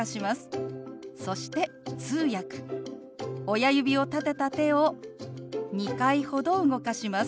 親指を立てた手を２回ほど動かします。